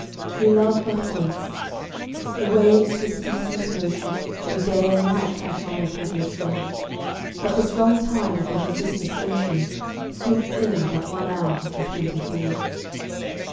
We love but once. The waves, with ceaseless motion, Do day and night plash on the pebbled shore; But the strong tide of the resistless ocean Sweeps in but one hour of the twenty four.